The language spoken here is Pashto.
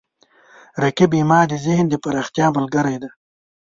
رقیب زما د ذهن د پراختیا ملګری دی